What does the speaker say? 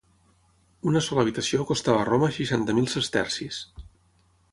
Una sola habitació costava a Roma seixanta mil sestercis.